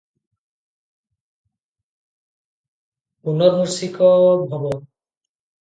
-ପୁନର୍ମୂଷିକୋଭବ ।"